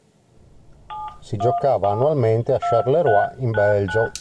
Si giocava annualmente a Charleroi in Belgio.